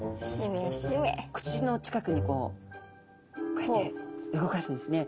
口の近くにこうこうやって動かすんですね。